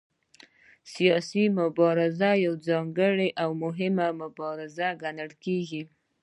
سیاسي مبارزه یوه ځانګړې او مهمه مبارزه ګڼل کېږي